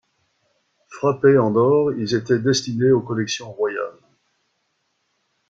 Frappés en or, ils étaient destinés aux collections royales.